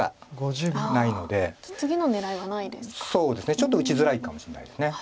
ちょっと打ちづらいかもしれないです。